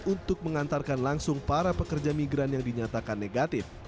untuk mengantarkan langsung para pekerja migran yang dinyatakan negatif